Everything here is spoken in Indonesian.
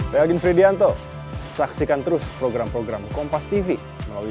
reagen fredianto saksikan terus program program kompas tv melalui